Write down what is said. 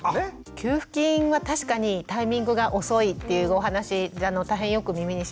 給付金は確かにタイミングが遅いっていうお話大変よく耳にします。